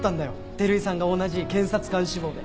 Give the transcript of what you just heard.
照井さんが同じ検察官志望で。